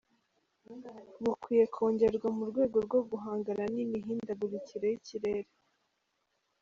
Bukwiye kongerwa mu rwego rwo guhangana n’imihindagurikire y’ikirere.